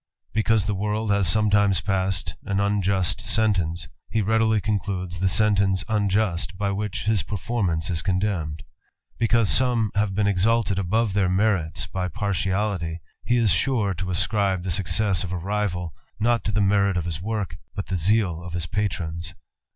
Because the world has sometimes unjust sentence, he readily concludes the sente by which his performance is condemned; bee have been exalted above their merits by partiality to ascribe the success of a rival, not to the m work, but the zeal of his patrons.